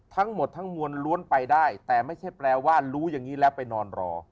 ทั้งหมดทั้งมวลล้วนไปได้แต่ไม่ใช่แปลว่ารู้อย่างนี้แล้วไปนอนรอ